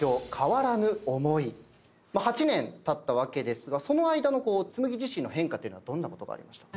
８年たったわけですがその間の紬自身の変化っていうのはどんなことがありました？